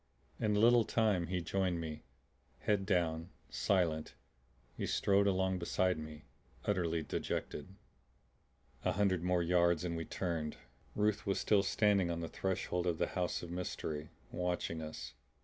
In a little time he joined me; head down, silent, he strode along beside me, utterly dejected. A hundred more yards and we turned. Ruth was still standing on the threshold of the house of mystery, watching us.